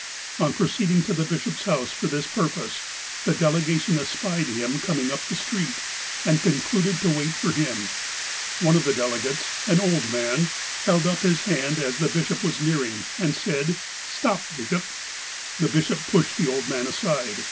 On proceeding to the bishop's house for this purpose, the delegation espied him coming up the street, and con cluded to wait for him. One of the delegates, an old man, held up his hand as the bishop was nearing, and said : ''Stop, bishop." The bishop pushed the old man aside.